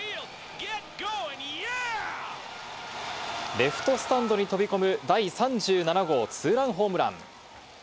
レフトスタンドに飛び込む第３７号ツーランホームラン。